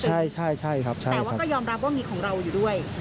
แต่ว่าก็ยอมรับว่ามีของเราอยู่ด้วย